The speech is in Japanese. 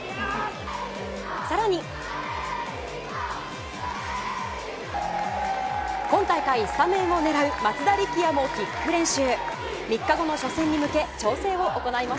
更に、今大会スタメンを狙う松田力也もキック練習。